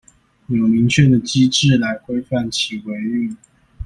有明確的機制來規範其維運